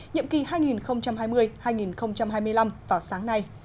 nhiệm kỳ hai nghìn hai mươi hai nghìn hai mươi năm vào sáng nay